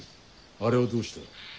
あれはどうした？